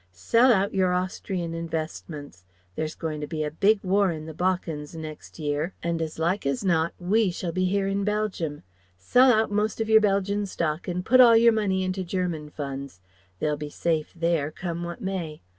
Sell out your Austrian investments there's goin' to be a big war in the Balkans next year and as like as not we shall be here in Belgium. Sell out most of yer Belgian stock and put all your money into German funds. They'll be safe there, come what may.'